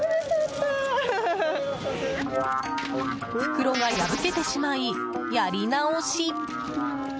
袋が破けてしまい、やり直し。